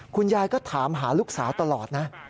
คุณยายก็ถามหาลูกสาวตลอดนะ